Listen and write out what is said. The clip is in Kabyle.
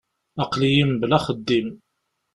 Aql-iyi mebla axeddim.